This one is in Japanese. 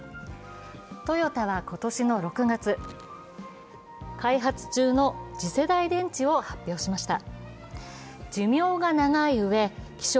トヨタは今年の６月、開発中の次世代電池を発表しました。